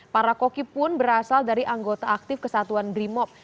para koki pun berasal dari anggota aktif kesatuan brimob